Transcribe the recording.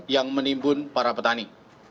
yang menimbun para petani